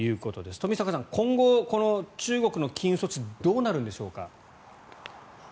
冨坂さん、今後、中国の禁輸措置どうなるんでしょうか。